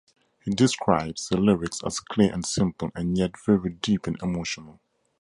He describes the lyrics as clear and simple and yet very deep and emotional.